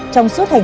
trong suốt năm